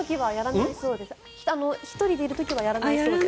１人でいる時はやらないそうです。